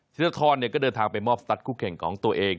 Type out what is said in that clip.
ธนทรก็เดินทางไปมอบสตัสคู่แข่งของตัวเอง